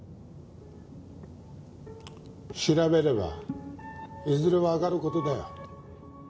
調べればいずれわかる事だよ。